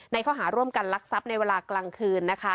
ข้อหาร่วมกันลักทรัพย์ในเวลากลางคืนนะคะ